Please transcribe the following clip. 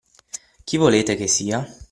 Chi volete che sia?